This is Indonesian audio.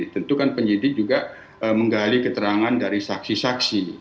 tentu kan penyidik juga menggali keterangan dari saksi saksi